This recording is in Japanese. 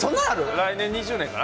来年２０年かな？